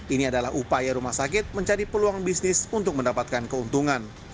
ini adalah upaya rumah sakit mencari peluang bisnis untuk mendapatkan keuntungan